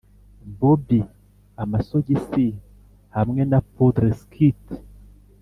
bobby amasogisi hamwe na poodle skirt